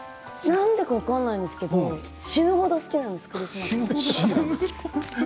なんでか分からないんですけれど、死ぬほど好きなんです。